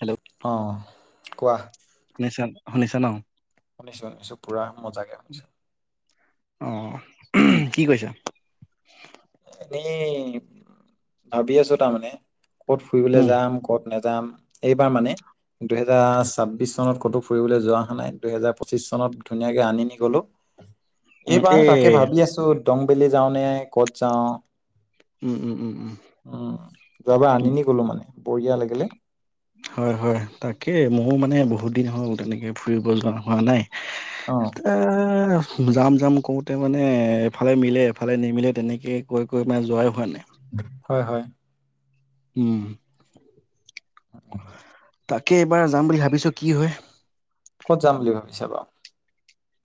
Hello অ' কোৱা শুনিছা শুনিছা ন শুনিছো শুনিছো পুৰা মজাকে [unintelligible] অহ! কি কৰিছা? এনেই, ভাবি আছো তাৰমানে। ক'ত ফুৰিবলৈ উম যাম, ক'ত নাযাম, এইবাৰ মানে দুহেজাৰ ছাব্বিছ চনত ক'তো ফুৰিবলৈ যোৱা [unintelligible] হা নাই। দুহেজাৰ পঁচিছ চনত ধুনীয়াকে আনিনি গ'লোঁ। উম এইবাৰ এ তাকে ভাবি আছোঁ দ [unintelligible] [unintelligible] যাওঁ নে ক'ত যাওঁ। উম উম উম উম, যোৱাবাৰ আনিনি গ'লোঁ মানে। বঢ়িয়া লাগিলে। হয় হয় তাকে ময়ো মানে বহুত দিন হ'ল তেনেকে, ফুৰিব যোৱা হোৱা নাই। অ [unintelligible] যাম যাম কৰোঁতে মানে, এফালে মিলে এফালে নিমিলে, তেনেকৈ কৈ কৈ মানে যোৱাই হোৱা নাই। হয় হয়। উম। [inaudible] তাকে এইবাৰ যাম বুলি ভাবিছো, কি হয়। ক'ত যাম বুলি ভাবিছা বাৰু?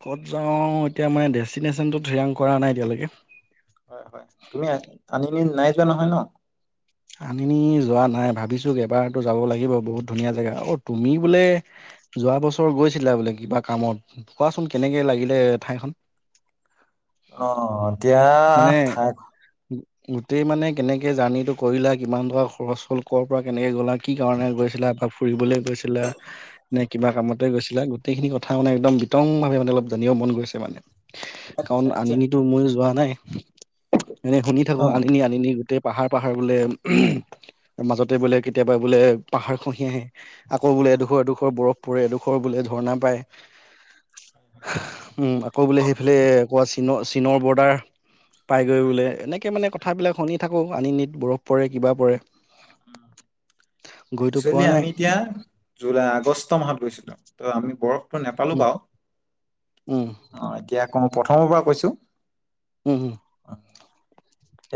ক'ত যাও এতিয়া মানে, ডেষ্টিনেশ্যনতো থিৰাং কৰা নাই এতিয়ালৈকে। হয় হয়, তুমি আনি [unintelligible] নাই যোৱা নহয় ন'? আনিনি যোৱা নাই, ভাবিছো এবাৰতো যাব লাগিব বহুত ধুনীয়া জেগা। অ', তুমি বোলে যোৱা বছৰ গৈছিলা বোলে কিবা কামত, কোৱাচোন কেনেকে লাগিলে ঠাইখন? অ'। এতিয়া মানে ঠাই গোটেই মানে কেনেকে জাৰ্নিটো কৰিলা, কিমান টকা খৰচ হ'ল, কৰ' পৰা কেনেকে গ'লা, কি কাৰণে গৈছিলা বা ফুৰিবলে গৈছিলা, নে কিবা কামতে গৈছিলা। গোটেইখিনি কথা মানে একদম বিতংভাৱে মানে অলপ জানিব মন গৈছে মানে। কাৰণ আচ্ছা আনি আচ্ছা নিদো, ময়ো যোৱা নাই। অ [unintelligible] এনে শুনি থাকো অ আনিনি আনিনি গোটেই পাহাৰ পাহাৰ বোলে, মাজতে বোলে কেতিয়াবা বোলে পাহাৰ খহি আহে, আকৌ বোলে এডোখৰ এডোখৰ বৰফ পৰে, এডোখৰ বোলে ঝৰ্ণা পায়। উম আকৌ বোলে আমি সেইফালে কোৱা চীন চীনৰ বৰ্ডাৰ। পাইগৈ বোলে এনেকে মানে কথাবিলাক শুনি থাকোঁ। আনি নট বৰফ পৰে, কিবা পৰে গৈতো পোৱা একশ্যৱেলি নাই আমি এতিয়া জুলাই আগষ্ট মাহত গৈছিলো। ত' আমি বৰফ নাপালো উম বাৰু। উম অ' এতিয়া আকৌ মই প্ৰথমৰ পৰা কৈছোঁ। হু, হু।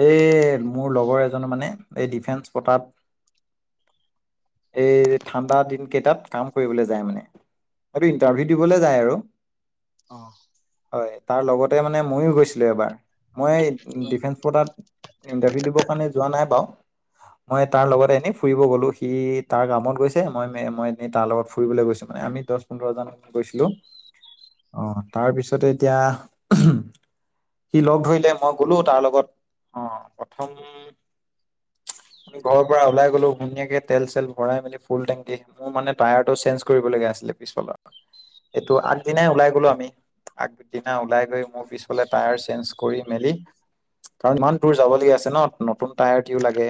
এই মোৰ লগৰ এজন মানে এই ডিফেন্স কোটাত এই ঠাণ্ডা দিন কেইটাত কাম কৰিবলৈ যায় মানে হয়টো ইণ্টাৰভিউ দিবলৈ যায় আৰু। অ'। হয় তাৰ লগতে মানে ময়ো গৈছিলো এবাৰ। মই ডিফেন্স ট তাত ইণ্টাৰভিউ দিবৰ কাৰণে যোৱা নাই বাৰু। মই তাৰ লগত এনেই ফুৰিব গলো, সি তাৰ কামত গৈছে মই -মে এনেই তাৰ লগত ফুৰিবলৈ গৈছো মানে। আমি দশ পোন্ধৰ জন গৈছিলো। অহ তাৰ পিছতে এতিয়া, সি লগ ধৰিলে মই গলো তাৰ লগত। অ', প্ৰথম ঘৰৰ পৰা ওলাই গ'লো ধুনাকে তেল চেল ভৰাই মেলি ফুল টেংকি, মোৰ মানে টায়াৰটো চেঞ্জ কৰিবলগা আছিলে পিছফালৰ, এইটো আগদিনাই ওলাই গলো আমি আগদিনা ওলাই গৈ মোৰ পিছফালে টায়াৰ চেঞ্জ কৰি মেলি কাৰণ ইমান দূৰ যাবলগীয়া আছে ন নতুন টায়াৰটিও লাগে।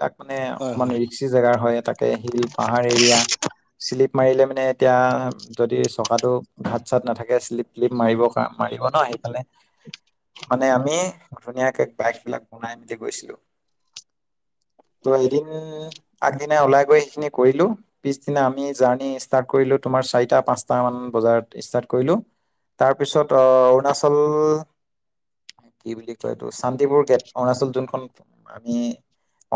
তাত মানে, হয় হয় অকমান ৰিক্সি জেগাৰ হয়। তাতে শিল পাহাৰ এৰিয়া শ্লিপ। মাৰিলে মানে এতিয়া, যদি চকাটো ঘাট চাত নাথাকে শ্লিপ ত্লিপ মাৰিব কাৰ মাৰিব ন সেইফালে মানে আমি ধুনীয়াকে বাইক বিলাক বনাই মেলি গৈছিলো। ত' এদিন আগদিনা ওলাই গৈ সেইখিনি কৰিলো, পিছদিনা আমি জাৰ্ণি ষ্টাৰ্ট কৰিলো তোমাৰ চাৰিটা পাঁচটা মান বজাৰ ষ্টাৰ্ট কৰিলো, তাৰ পিছত অৰুণাচল কি বুলি কয় এইটো শান্তিপুৰ গেট অৰুণাচল যোনখন আমি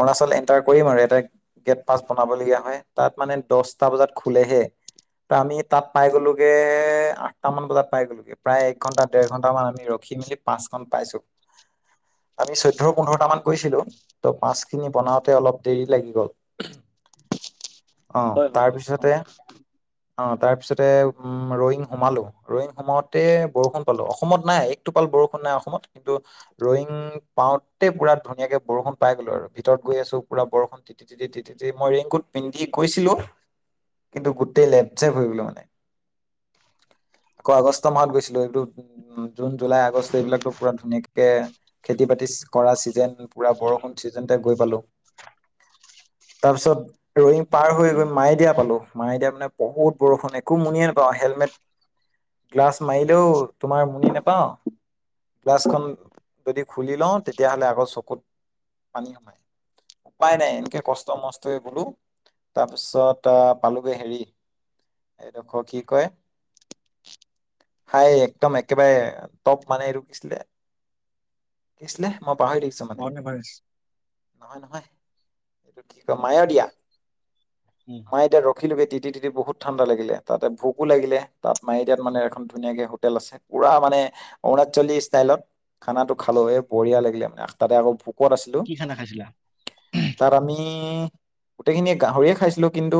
অৰুণাচল এণ্টাৰ কৰিম আৰু এটা গেট পাছ বনাবলগীয়া হয়, তাত মানে দছটা বজাত খোলেহে, ত আমি তাত পাই গলোগে আঠটামান বজাত পাই গলগে প্ৰায় এক ঘন্টা দেৰ ঘন্ট মান আমি ৰখি মেলি পাঁচখন পাইছো, আমি চৈধ্য় পোন্ধৰটা মান কৈছিলো। ত' মাছখিনি বনাওঁতে অলপ দেৰি লাগি গ'ল। অ', হয় হয় অ তাৰপিছতে অ', তাৰ পিছতে উম ৰয়িং সোমালো ৰয়িং সোমাওতে বৰষুণ পালো অসমত নাই একটো পাল বৰষুণ নাই অসমত কিন্তু ৰয়িং পাওঁতে পুৰা ধুনীয়াকে বৰষুণ পাই গলো আৰু। ভিতৰত গৈ আছো পুৰা বৰষুণ তিতি, তিতি, তিতি, তি মই ৰেইনকুট পিন্ধি গৈছিলো, কিন্তু গোটেই লেপ জেপ হৈ গলো মানে। আকৌ আগষ্ট মাহত গৈছিলো এইটো উম। জুন জুলাই আগষ্ট এইবিলাক পুৰা ধুনীয়াকে খেতি বাতি কৰা ছিজন পুৰা বৰষুণ গৈ পালো, তাৰপিছত ৰই পাৰ হৈ গৈ মায়েদিয়া পালো। মাই দিয়া মানে বহুত বৰষুণ একো মুনিয়ে নাপাওঁ হেলমেট গ্লাছ মাৰিলেও তোমাৰ মুনি নাপাও গ্লাছখন যদি খুলি লওঁ তেতিয়াহ'লে আকৌ চকুত পানী সোমাই। উপায় নাই এনকে কষ্ট মচ বোলো তাৰ পিছত আহ পালোগৈ হেৰি এইডোখৰ কি কয় হাই একদম একেবাৰে টপ মানে এইটো কিছিলে কি আছিলে মই পাহৰি দেখিছো মানে। মাউণ্ট এভাৰেষ্ট নহয় নহয়, এইটো কয় মায় দিয়া, উম মায় এতিয়া ৰখিলো বেট তি তিতি বহুত ঠাণ্ডা লাগিলে। তাতে ভোকো লাগিলে। তাত মাৰি দিয়াত মানে এখন ধুনীয়াকে হোটেল আছে। পুৰা মানে অৰুণাচলী ষ্টাইলত খানাটো খালো এ বঢ়িয়া লাগিলে মানে, তাতে আকৌ ভোকত আছিল। কি খানা খাইছিলা তাত আমি? গোটেইখিনিয়ে গাহৰিয়ে খাইছিলো, কিন্তু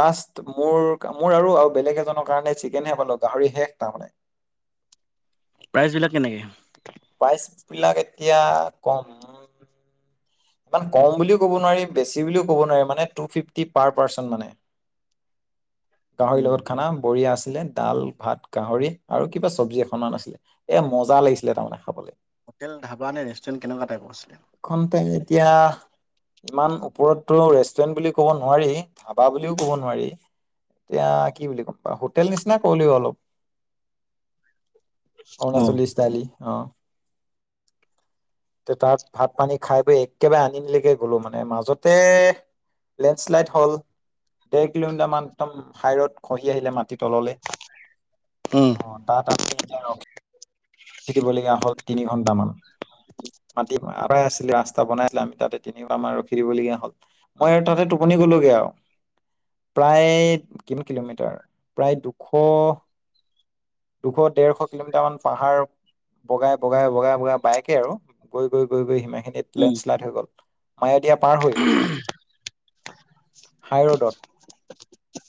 লাষ্ট মোৰ মোৰ আৰু বেলেগ এজনৰ কাৰণে চিকেনহে পালো গাহৰি শেষ তাৰমানানে। প্ৰাইজ বিলাক কেনেকে? প্ৰাইচ বিলাক এতিয়া ক'ম। ইমান ক'ম বুলিও ক'ব নোৱাৰি বেছি বুলিও ক'ব নোৱাৰি মানে টু ফিফটি পাৰ পাৰশ্যন মানে। গাহৰি উম লগত খানা বঢ়িয়া আছিলে। দাল, ভাত, গাহৰি আৰু কিবা চব্জি এখনমান আছিলে, এ মজা লাগিছিলে তাৰমানে খাবলৈ। হোটেল ধাবা নে ৰেষ্টুৰেণ্ট কেনেকুৱা টাইপৰ আছিলে? এখন ঠাই এতিয়া ইমান ওপৰতটো ৰেষ্টুৰেণ্ট বুলি ক'ব নোৱাৰি ধাবা বুলিও কব নোৱাৰি। এতিয়া কি বুলি ক'ম বা হোটেল নিচিনা কবলেও অলপ অ অৰুণাচলী ষ্টালী। ত' তাত ভাত পানী খাই বৈ একেবাৰে আনিনিলৈকে গ'লো মানে, মাজতে লেণ্ডশ্লাইড হ'ল দেৰ কিলোমিটাৰ মান একদম হাইতট খহি আহিলে মাটিৰ তললৈ। উম অ' তাত আমি দিবলগীয়া হ'ল তিনি ঘন্টামান, মাটি আই আছিলে ৰাস্তা বনাই আছিলে, আমি তাতে তিনি ঘটামান ৰখি দিবলগীয়া হ'ল, মই আৰু তাতে টোপনি গ'লোগে আৰু প্ৰায় কিমান কিলোমিটাৰ প্ৰায় দুশ দুশ ডেৰশ কিলোমিটাৰ মান পাহাৰ বগাই বগাই বগাই বগাই বাইকে আৰু গৈ গৈ গৈ গৈ সিমাই খিনিত উম লেণ্ডশ্লাইড হৈ গ'ল। মায়াদিয়া পাৰ হৈ, হাই ৰোডত,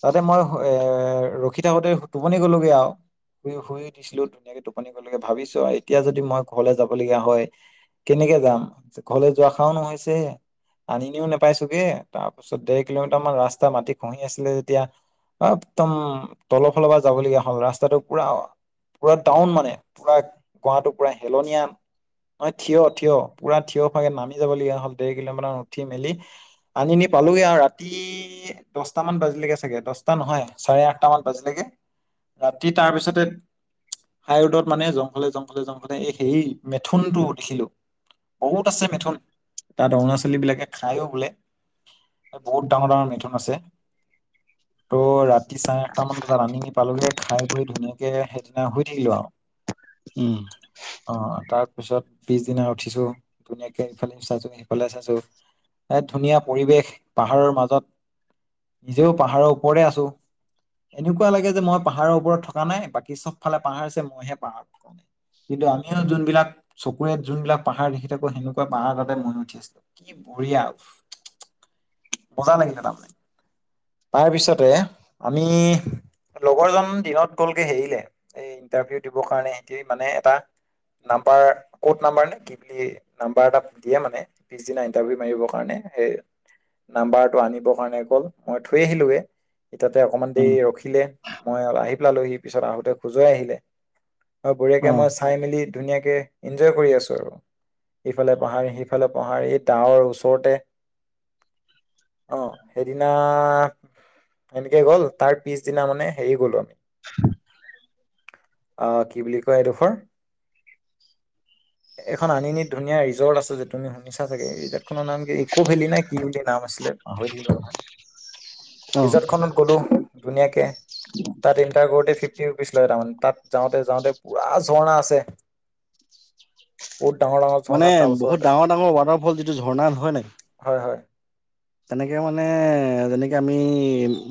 তাতে মই এ ৰখি থাকোঁতে টোপনি গ'লোগৈ আৰু শুই শুই দিছিলো ধুনীয়াকে টোপনি গ'লো। ভাবিছো আৰু এতিয়া যদি মই ঘৰলৈ যাব লগীয়া হয় কেনেকে যাম, ঘৰলৈ যোৱা আশাওঁ নোহোৱা হৈছে। আনি নিও নোপাইছোগে তাপ তাৰপাছত দেৰ কিলোমিটাৰ মান ৰাস্তা মাটি খঁহি আছিলে যেতিয়া, একদম তলৰফলৰ পৰা যাবলগীয়া হ'ল। ৰাস্তাটো পুৰা পুৰা টাউন মানে পৰা গৱাটো পুৰা হেলনিয়ান ন থিয়, থিয় পুৰা থিয় ফাগে নামি যাবলগীয়া হ'ল দেৰ কিলোমিটাৰ উঠি মেলি আনি নি পালোগে আৰু ৰাতি দহটামান বাজিলৈকে চাগে, দহটা নহয় চাৰে আঠটা মান বাজিলৈকে ৰাতি তাৰপিছতে হাইৰোডত জমফালে, জমফালে, জমফলে এই সেই মেথুনটো দেখিলো, বহুত আছে মেথুন তাত অৰুণাচলী বিলাকে খাইও বোলে। বহুত ডাঙৰ ডাঙৰ মিথুন আছে। ত' ৰাতি চাৰে আঠটা মান বজাত আনি নি পালোগে খাই বৈ ধুনীয়াকে সেই ন শুয় থাকিলো আৰু উম অ' তাত তাৰপিছত পিছদিনা উঠিছো ধুনীয়াকৈ ইফালে চাইছো, সিফালে চাইছো এই ধুনীয়া পৰিৱেশ পাহাৰৰ মাজত নিজেও পাহাৰৰ ওপৰে আছো। এনেকুৱা লাগে যে মই পাহাৰৰ ওপৰত থকা নাই, বাকী চব ফালে পাহাৰ আছে মই হে কিন্তু আমিও যোনবিলাক চকুৰে যোনবিলাক পাহাৰ দেখি থাকো, সেনেকুৱা পাহাৰ তাতে মই উঠি আছিলো, কি বঢ়িয়া উফ্ মজা লাগিছিল তাৰমানে তাৰ পিছতে আমি লগৰজন দিনত গ'লগে হেৰিলে এই ইণ্টাৰভিউত দিবৰ কাৰণে সেইটোৱে মানে এটা নাম্বাৰ, ক'ড নাম্বাৰ নে? কি বুলি নাম্বাৰ এটা দিয়ে মানে পিছদিনা ইণ্টাৰভিউ মাৰিবৰ কাৰণে সেই নাম্বাৰটো আনিবৰ কাৰণে গ'ল মই থৈ আহিলোৱে। ইতিয়াতে অকণমান উম দেৰি ৰখিলে মই আহি টোপোলা লৈ আহি পিছত আহোতে আকৌ জয় আহিলে। আৰু অ বঢ়িয়াকে মই, চাই মেলি ধুনীয়াকে ইনজয় কৰি আছো আৰু, ইফালে পাহাৰ, সিফালে পাহাৰ এই ডাৱৰ ওচৰতে অহ সেইদিনা এনেকে গ'ল, তাৰ পিছদিনা মানে হেৰি গ'লো আমি অ', কি বুলি কয় এইডোখৰ, এইখন আনিনি ধুনীয়া ৰিজৰ্ট আছে, যে তুমি শুনিছা চাগে ৰিজৰ্ট খনৰ নাম কি ইকো ভেলি নে কি বুলি নাম আছিলে পাহৰি থাকিলো ৰ'বা। অ ৰিজৰ্ট খনত গ'লো। ধুনীয়াকে তাত ইণ্টাৰ কৰোতে ফিফটি ৰুপিচ লয় মানে তাত যাওতে-যাওতে পুৰা ঝৰ্ণা আছে। বহুত ডাঙৰ ডাঙৰ মানে ঝৰ্ণা তাৰ বহুত ওচৰতে ডাঙৰ, ডাঙৰ ৱাটাৰফল যিটো ঝৰ্ণা হয় নাই? হয় হয় তেনেকৈ মানে যেনেকৈ আমি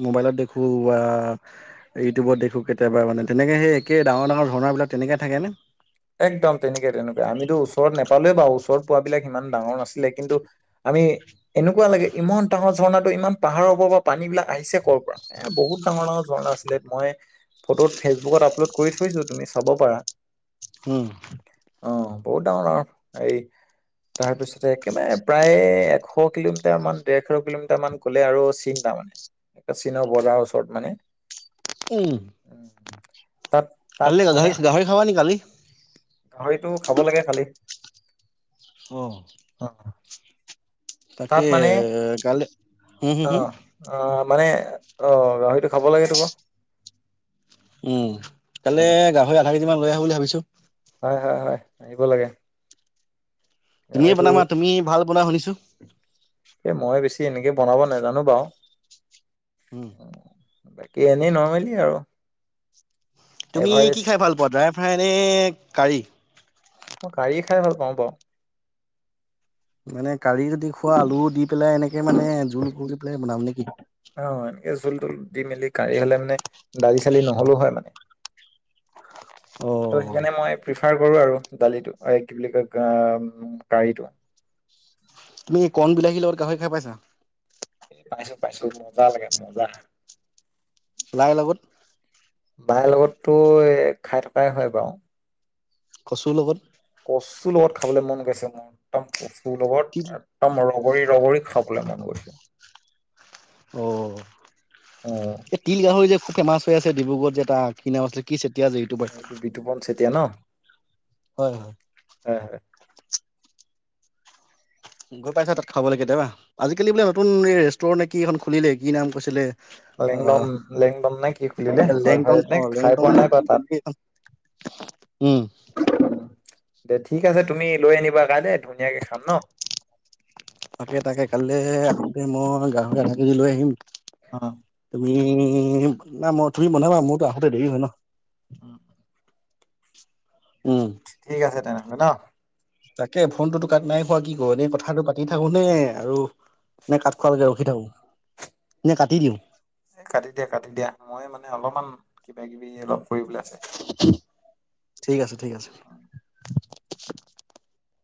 মোবাইলত দেখো বা ইউটিউবত দেখো, কেতিয়াবা মানে তেনেকৈ সেই একেই ডাঙৰ ডাঙৰ ঝৰ্ণাবিলাক তেনেকে থাকেনে? একদম তেনেকুৱা, তেনেকুৱা আমিতো ওচৰত নাপালে বাৰু ওচৰত পোৱাবিলাক ইমান ডাঙৰ নাছিলে, কিন্তু আমি এনেকুৱা লাগে ইমান ডাঙৰ ঝৰ্ণাতটো ইমান পাহাৰৰ পৰা পৰা পানী বিলাক আহিছে কৰ পৰা এ' বহুত ডাঙৰ ডাঙৰ ঝৰ্ণা আছিলে মই ফটোত ফেচবুকত আপলোড কৰি থৈছো তুমি চাব পাৰা। উম অ', বহুত ডাঙৰ আৰু এই তাৰপিছতে একেবাৰে প্ৰায় এশ কিলোমিটাৰ মান ডেৰশ কিলোমিটাৰ মান গ'লে আৰু চীন পাম আৰু চীনৰ বৰ্ডাৰৰ ওচৰত মানে। [inaudible] তাত তাত কাললৈ মানে গাহৰি, গাহৰি খাবা নেকি কালি? গাহৰিটো খাব লাগে কালি। অ। তাত তাকে মানে কালি হম হম হম অ', - অ, মানে অ', গাহৰিটো খাব লাগে। [unintelligible] উম, কাইলে গাহৰি আধা [unintelligible] লৈ আহো বুলি ভাবিছো। হয় হয় হয়, আহিব লাগে। তুমিয়ে গাহৰিটো বনাবা, তুমি ভাল বনোৱা শুনিছো। এই মই বেছি এনেকে বনাব নাজানো বাওঁ। উম। বাকী, এনেই নৰ্মেলি আৰু তুমি এভাৰেজ কি খাই ভাল পোৱা? ড্ৰাই ফ্ৰাই নে কাৰী? মই কাৰীয়ে খাই ভাল পাওঁ বাওঁ। মানে কাৰি যদি খোৱা, আলু দি পেলাই এনেকে মানে জুল কৰি পেলাই বনাম নেকি? অ', এনেকে জুল তোল দি মেলি কাৰী হলে মানে, দালি-চালি নহলেওঁ হয় মানে। ত' অ'। সেইকাৰণে মই প্ৰি [unintelligible] কৰো আৰু দালিটো এই কি বুলি কয় আহ কাৰিটো তুমি কণ বিলাহীৰ লগত গাহৰি খাই পাইছা? পাইছো পাইছো, মজা লাগে মজা। লাইৰ লগত? বাইৰ লগততো এ, খাই থকাই হয় বাৰু। কচুৰ লগত। কচুৰ লগত খাবলৈ মন গৈছে মোৰ, একদম কচ [unintelligible] লগত তিল একদম ৰগৰ ৰগৰী খাবলে মন গৈছে। অ', অ এ, তিল-গাহৰি যে, খুব ফেমাচ হৈ আছে, ডিব্ৰুগড়ত যে এটা, কি নাম আছিলে? কি [unintelligible] এইটো বিতুপন চেতিয়া ন? হয় হয়। হয় হয়। গৈ পাইছা তাত খাবলে কেতিয়াবা? আজিকালি বোলে নতুন এই ৰেষ্টুৰেণ্ট নে কি এখন খুলিলে, কি নাম কৈছিলে? লেংদন, আহ লেংডম নে কি খুলিলে? হয় লেংটন হয়, অ নাই খাই লেংটন পোৱা নে নাই কি বাওঁ তাত। তেনেকে এখন উম দে ঠিক আছে তুমি লৈ আনিবা কাইলৈ, ধুনীয়াকে খাম ন? তাকে তাকে, কাইলে মই গাহৰি আধা কেজি লৈ আহিম। তুমি [unintelligible] মই, তুমি বনাবা, মোৰতো আহোতে দেৰি হয় ন। উম। উম ঠিক আছে তেনেহ'লে ন? তাকে ফোনটোতো কাট নাই খোৱা কি কৰো? এনেই কথাটো পাতি থাকো নে আৰু নে কাট খোৱালৈকে ৰখি থাকো? নে কাটি দিওঁ? এ, কাটি দিয়া কাটি দিয়া। মই মানে অলপমান কিবা কিবি অলপ কৰিবলৈ আছে। ঠিক আছে। ঠিক আছে। [unintelligible]